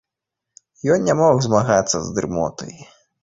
Ён не мог змагацца з дрымотай.